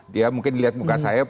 dia mungkin lihat muka saya